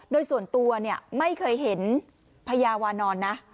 โดยส่วนตัวไม่เคยเห็นพญาวานอนนะ